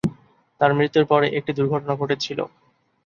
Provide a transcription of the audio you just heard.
তার মৃত্যুর পরে একটি দুর্ঘটনা ঘটেছিল।